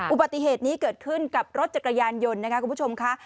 อุบัติเหตุนี้เกิดขึ้นกับรถจักรยานยนต์นะคะคุณผู้ชมค่ะ